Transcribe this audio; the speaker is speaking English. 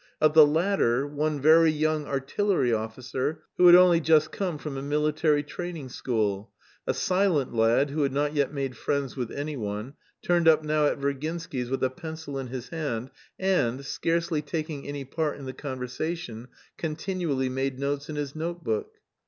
Of the latter, one very young artillery officer who had only just come from a military training school, a silent lad who had not yet made friends with anyone, turned up now at Virginsky's with a pencil in his hand, and, scarcely taking any part in the conversation, continually made notes in his notebook.